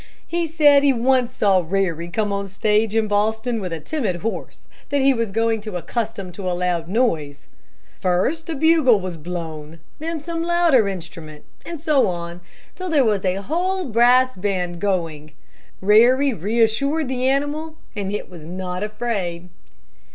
He said he once saw Rarey come on a stage in Boston with a timid horse that he was going to accustom to a loud noise. First a bugle was blown, then some louder instrument, and so on, till there was a whole brass band going. Rarey reassured the animal, and it was not afraid."